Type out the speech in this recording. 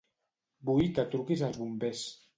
Vull que truquis als bombers.